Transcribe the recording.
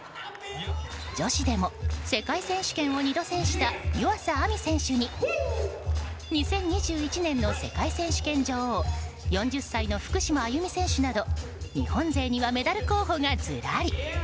女子でも世界選手権を２度制した湯浅亜実選手に２０２１年の世界選手権女王４０歳の福島あゆみ選手など日本勢にはメダル候補がずらり。